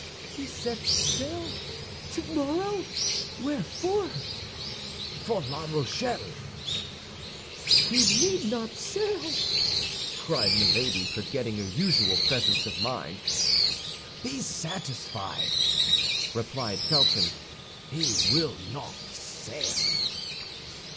"He sets sail tomorrow! Where for?" "For La Rochelle." "He need not sail!" cried Milady, forgetting her usual presence of mind. "Be satisfied," replied Felton; "he will not sail."